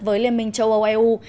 với liên minh châu âu eu